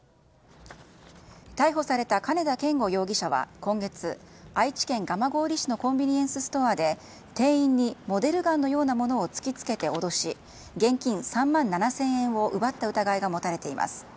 逮捕された金田健吾容疑者は今月愛知県蒲郡市のコンビニエンスストアで店員にモデルガンのようなものを突き付けて脅し現金３万７０００円を奪った疑いが持たれています。